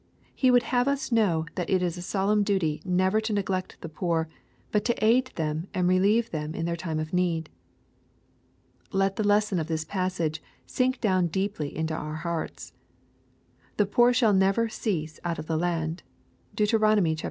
He would have us know that it is a solemn duty never to neglect the poor, but to aid them and relieve them in their time of need. Let the lesson of this passage sink down deeply into our hearts. " The poor shall never cease out of the land.*' (Deut.